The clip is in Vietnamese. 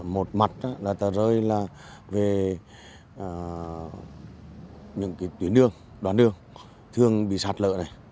một mặt là tật rơi là về những tuyến đường đoàn đường thường bị sạt lợi này